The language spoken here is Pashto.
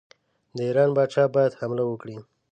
د ایران پاچا باید حمله وکړي.